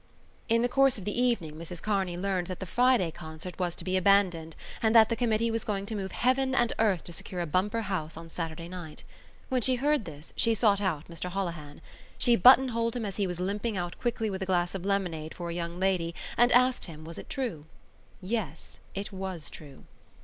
In the course of the evening, Mrs Kearney learned that the Friday concert was to be abandoned and that the Committee was going to move heaven and earth to secure a bumper house on Saturday night. When she heard this, she sought out Mr Holohan. She buttonholed him as he was limping out quickly with a glass of lemonade for a young lady and asked him was it true. Yes, it was true.